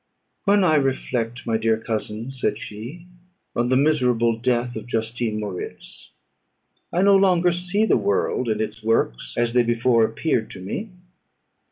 "When I reflect, my dear cousin," said she, "on the miserable death of Justine Moritz, I no longer see the world and its works as they before appeared to me.